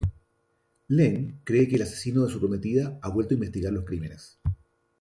Len cree que el asesino de su prometida ha vuelto e investiga los crímenes.